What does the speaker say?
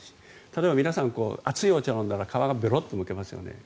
例えば皆さん熱いお茶を飲んだら皮がベロっとむけますよね。